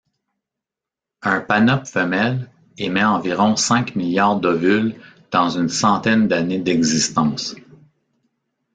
Un panope femelle émet environ cinq milliards d'ovules dans une centaine d'années d'existence.